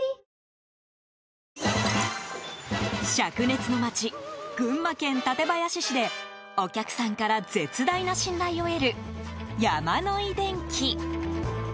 灼熱の町、群馬県館林市でお客さんから絶大な信頼を得るヤマノイ電器。